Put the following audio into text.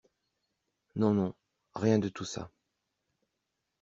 Non, non, rien de tout ça.